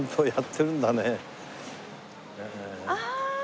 ああ！